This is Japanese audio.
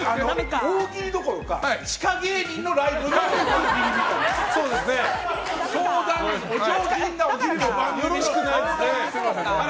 大喜利どころか地下芸人のライブみたいになってる。